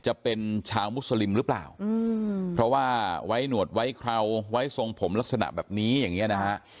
จะเป็นชาวมุสลิมหรือเปล่าเพราะว่าไว้หนวดไว้เคราไว้ทรงผมลักษณะแบบนี้อย่างเงี้นะฮะ